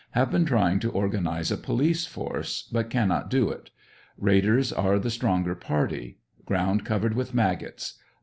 Have been trying to organize a police force, but cannot do it. Raiders are the stronger party . Ground covered with maggots.